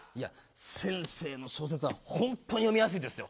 先生の小説はホントに読みやすいですよ。